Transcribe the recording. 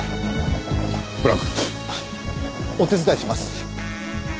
お手伝いします！